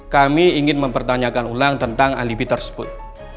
kami ingin mempertanyakan ulang tentang alibi tersebut